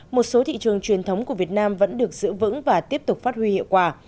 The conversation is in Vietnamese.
một số thị trường truyền thống của việt nam vẫn được giữ vững và tiếp tục phát huy hiệu quả